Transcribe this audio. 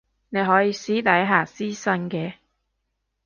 你可以私底下私訊嘅